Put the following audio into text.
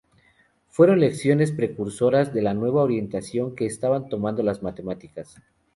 Fueron lecciones precursoras de la nueva orientación que estaban tomando las matemáticas.